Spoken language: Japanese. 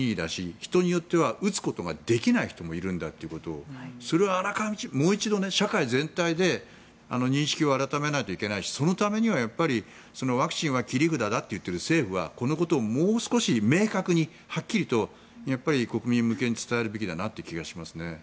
人によっては打つことができない人もいるんだということをそれはもう一度社会全体で認識を改めないといけないしそのためにはワクチンは切り札だと言っている政府はこのことをもう少し明確にはっきりと国民向けに伝えるべきだなと思います。